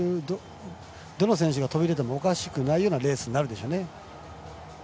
どの選手が飛び出てもおかしくないようなレースになるでしょうね。